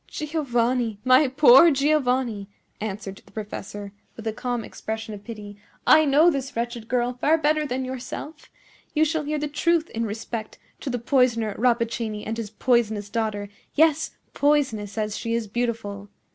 "Giovanni! my poor Giovanni!" answered the professor, with a calm expression of pity, "I know this wretched girl far better than yourself. You shall hear the truth in respect to the poisoner Rappaccini and his poisonous daughter; yes, poisonous as she is beautiful.